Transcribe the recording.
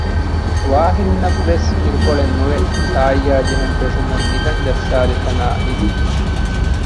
ވާހިންނަށްވެސް އިރުކޮޅެއްނުވެ ތާއްޔާޖެހެން ފެށުމުން ނިދަން ޖައްސާލިތަނާ ނިދިއްޖެ